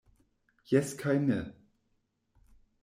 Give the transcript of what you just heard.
Jes kaj ne.